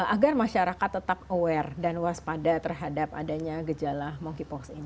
agar masyarakat tetap aware dan waspada terhadap adanya gejala monkeypox ini